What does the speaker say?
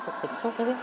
được sốt xuất huyết